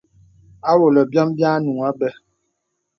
Awɔlə̀ bìom bì ànuŋ àbə̀.